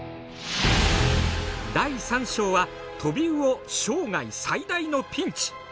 第３章はトビウオ生涯最大のピンチ。